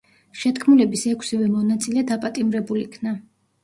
შეთქმულების ექვსივე მონაწილე დაპატიმრებულ იქნა.